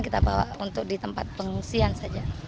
kita bawa untuk di tempat pengungsian saja